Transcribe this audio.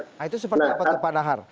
nah itu seperti apa tuh pak nahar